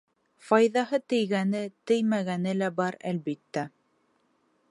Файҙаһы тейгәне-теймәгәне лә бар, әлбиттә.